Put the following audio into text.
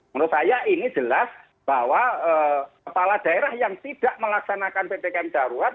menurut saya ini jelas bahwa kepala daerah yang tidak melaksanakan ppkm darurat